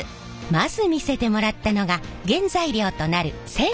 まず見せてもらったのが原材料となる銑鉄。